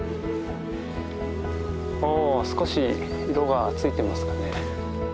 お少し色がついてますかね。